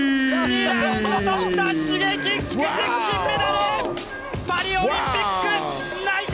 ２ラウンド取った、Ｓｈｉｇｅｋｉｘ金メダル！パリオリンピック内定！